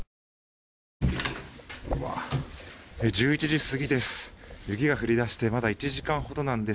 １１時過ぎです。